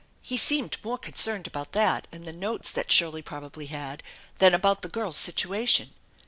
He seemed more concerned about that and the notes that Shirley probably had, than about the girl's situation.